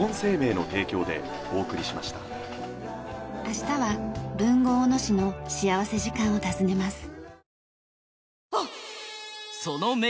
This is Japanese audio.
明日は豊後大野市の幸福時間を訪ねます。